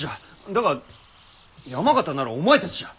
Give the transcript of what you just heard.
だが山県ならお前たちじゃ！